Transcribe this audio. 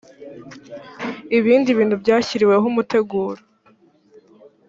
ibindi bintu byashyiriweho umuteguro.